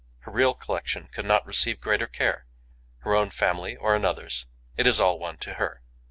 Her real collection could not receive greater care. Her own family or another's: it is all one to her.